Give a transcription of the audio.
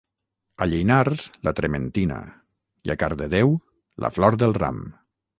a Llinars la trementina i a Cardedeu la flor del ram